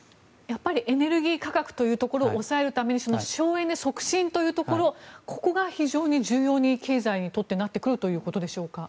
エネルギー価格ということを抑えるために省エネ促進というところここが非常に重要に経済にとってなってくるということでしょうか？